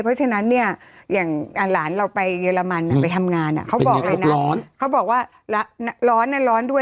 เพราะฉะนั้นอย่างหลานเราไปเยอรมันไปทำงานเขาบอกว่าร้อนด้วย